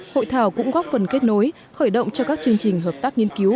hội thảo cũng góp phần kết nối khởi động cho các chương trình hợp tác nghiên cứu